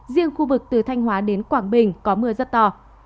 riêng khu vực từ thanh hóa đến quảng bình có mưa rất to